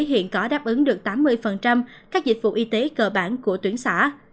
hiện có đáp ứng được tám mươi các dịch vụ y tế cơ bản của tuyến xã